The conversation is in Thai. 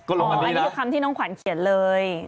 อันนี้คือคำที่น้องขวัญเขียนเลย